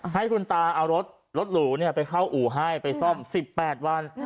ให้คุณตาเอารถรถหรูไปเข้าอู่ให้ไปซ่อม๑๘วัน